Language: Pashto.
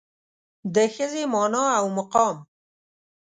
د ښځې مانا او مقام